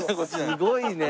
すごいね。